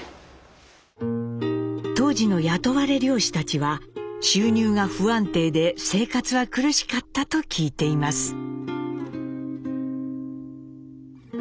当時の雇われ漁師たちは収入が不安定で生活は苦しかったと聞いています。